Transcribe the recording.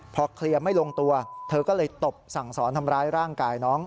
พอเคลียร์ไม่ลงตัวเธอก็เลยตบสั่งสอนทำร้ายร่างกายน้อง